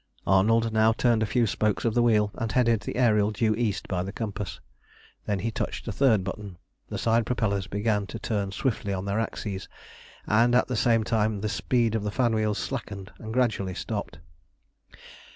Arnold now turned a few spokes of the wheel, and headed the Ariel due east by the compass. Then he touched a third button. The side propellers began to turn swiftly on their axes, and, at the same time the speed of the fan wheels slackened, and gradually stopped.